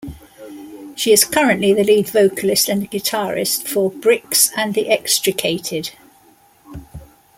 She is currently the lead vocalist and guitarist for Brix and The Extricated.